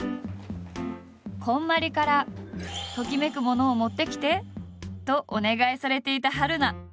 こんまりから「ときめく物」を持ってきてとお願いされていた春菜。